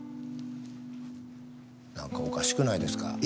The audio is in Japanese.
なんかおかしくないですか？